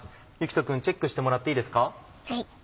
志人君チェックしてもらっていいですか。